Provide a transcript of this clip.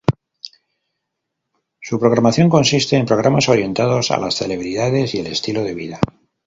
Su programación consiste en programas orientados a las celebridades y el estilo de vida.